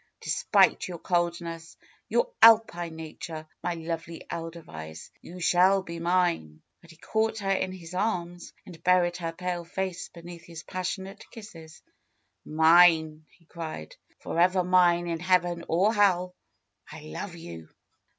Despite your cold ness, your Alpine nature, my lovely Edelweiss! you shall be mine." And he caught her in his arms and buried her pale face beneath his passionate kisses. '^Mine !" he cried. Forever mine in heaven or hell ! I love you!"